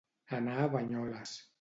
Anar a Banyoles.